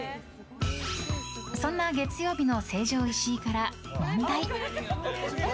そんな月曜日の成城石井から問題。